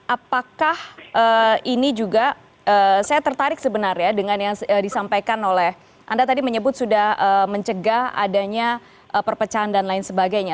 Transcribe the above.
apakah ini juga saya tertarik sebenarnya dengan yang disampaikan oleh anda tadi menyebut sudah mencegah adanya perpecahan dan lain sebagainya